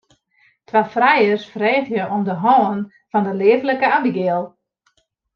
Twa frijers freegje om de hân fan de leaflike Abigail.